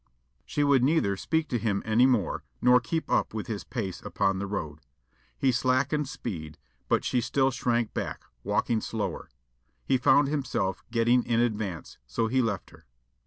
She would neither speak to him any more nor keep up with his pace upon the road. He slackened speed, but she still shrank back, walking slower. He found himself getting in advance, so he left her.